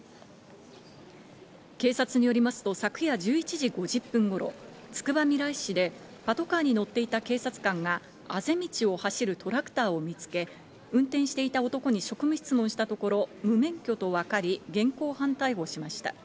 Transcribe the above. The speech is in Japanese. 警察によりますと昨夜１１時５０分頃、つくばみらい市でパトカーに乗っていた警察官が、あぜ道を走るトラクターを見つけ、運転していた男に職務質問したところ、無免許と分かり、現行犯逮捕しました。